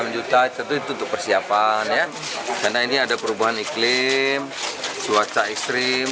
enam juta itu untuk persiapan ya karena ini ada perubahan iklim cuaca ekstrim